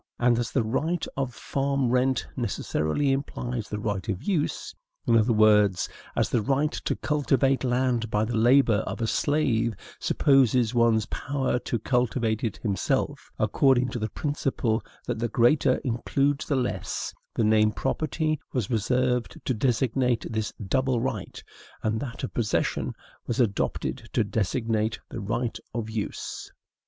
And as the right of farm rent necessarily implies the right of use, in other words, as the right to cultivate land by the labor of a slave supposes one's power to cultivate it himself, according to the principle that the greater includes the less, the name property was reserved to designate this double right, and that of possession was adopted to designate the right of use.